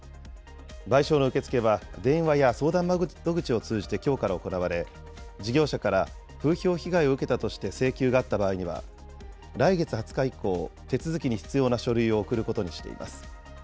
賠償の受け付けは電話や相談窓口を通じてきょうから行われ、事業者から風評被害を受けたとして請求があった場合には、来月２０日以降、手続きに必要な書類を送ることにしています。